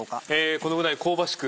このぐらい香ばしく